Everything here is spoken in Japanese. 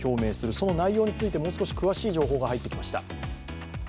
その内容について、もう少し詳しい情報が入ってきました。